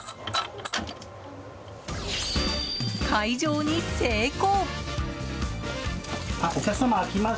解錠に成功！